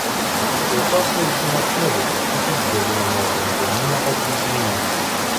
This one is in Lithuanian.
Kulkosvaidžių neturi ir itin dideliu manevringumu nepasižymi.